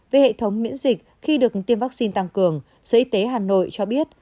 về hệ thống miễn dịch khi được tiêm vaccine tăng cường sở y tế hà nội cho biết